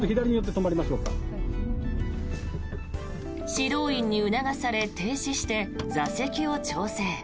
指導員に促され停止して座席を調整。